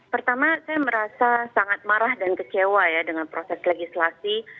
pertama saya merasa sangat marah dan kecewa ya dengan proses legislasi